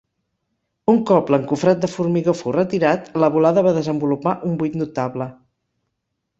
Un cop l'encofrat de formigó fou retirat, la volada va desenvolupar un buit notable.